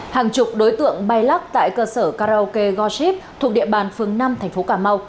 hàng chục đối tượng bay lắc tại cơ sở karaoke goship thuộc địa bàn phường năm thành phố cà mau